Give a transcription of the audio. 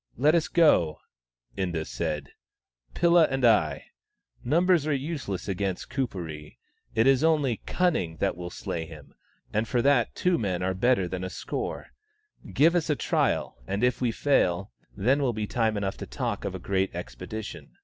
" Let us go," Inda said —" Pilla and I. Numbers are useless against Kuperee ; it is only cunning that will slay him, and for that two men are better than a score. Give us a trial, and if we fail, then will be time enough to talk of a great expedition."